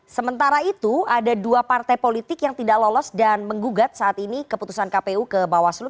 sementara itu ada dua partai politik yang tidak lolos dan menggugat saat ini keputusan kpu ke bawaslu